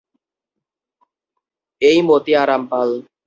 এই মতিয়া রামপাল।